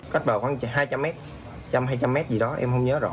cách bờ khoảng hai trăm linh m hai trăm linh m gì đó